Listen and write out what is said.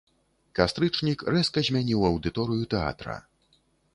Кастрычнік рэзка змяніў аўдыторыю тэатра.